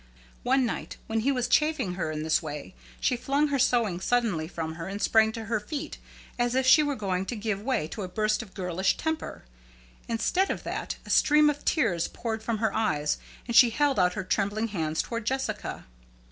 One night, when he was chaffing her in this way, she flung her sewing suddenly from her and sprang to her feet, as if she were going to give way to a burst of girlish temper. Instead of that, a stream of tears poured from her eyes, and she held out her trembling hands toward Jessica.